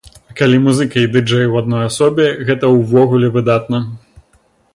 А калі музыка і ды-джэй ў адной асобе, гэта ўвогуле выдатна.